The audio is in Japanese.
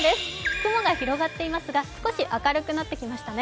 雲が広がっていますが少し明るくなってきましたね。